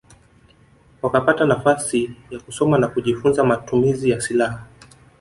Wakapata nafasi ya kusoma na kujifunza matumizi ya silaha